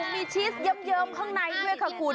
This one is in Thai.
มีชีสเยิ้มข้างในด้วยค่ะคุณ